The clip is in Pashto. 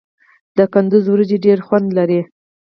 د کندز وریجې ډیر خوند لري.